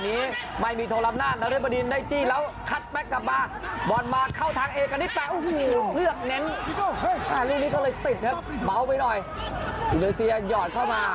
มีความมั่นใจเพิ่มขึ้นเรื่อยแล้วครับ